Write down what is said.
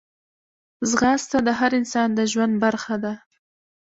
ځغاسته د هر انسان د ژوند برخه ده